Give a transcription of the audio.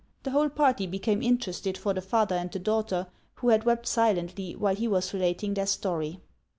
The whole party became interested for the father and the daughter, who had wept silently while he was relating their story.